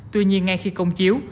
tuy nhiên ngay khi công chiếu